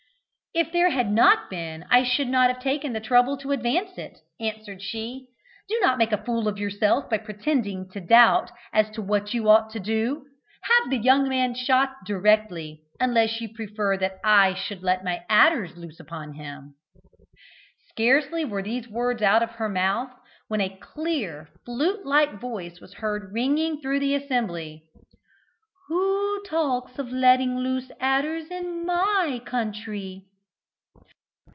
"If there had not been I should not have taken the trouble to advance it," answered she. "Do not make fool of yourself by pretending to doubt as to what you ought to do. Have the young man shot directly, unless you prefer that I should let my adders loose upon him." Scarcely were these words out of her mouth, when a clear, flute like voice was heard ringing through the assembly. "Who talks of letting loose adders in my country?"